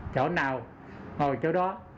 chỗ nào ngồi chỗ đó